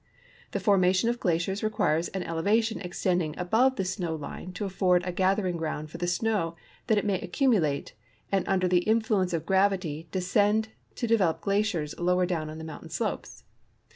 The formation of glaciers requires an elevation extending ahove the snow line to afford a gathering ground for the snow that it may accumulate, and under the in fluence of gravity descend to develop glaciers lower down on the mountain slopes.